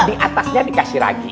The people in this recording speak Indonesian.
di atasnya dikasih ragi